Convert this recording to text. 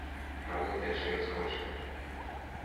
Рамонт яшчэ не скончаны.